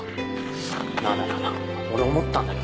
なあなあ俺思ったんだけどさ